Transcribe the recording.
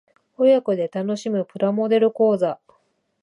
親子で楽しむプラモデル講座